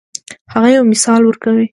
هغه یو مثال ورکوي.